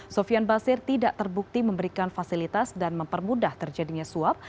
sofian basir tidak terbukti memberikan fasilitas dan mempermudah terjadinya suap